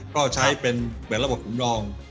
ก็ใช้เป็นเหมือนระบบสำรอง